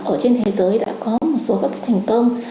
ở trên thế giới đã có một số các thành công